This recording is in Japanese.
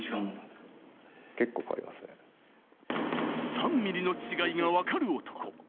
３ｍｍの違いが分かる男。